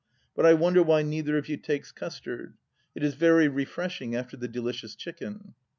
" But I wonder why neither of you takes custard ? It is very refreshing after the delicious chicken."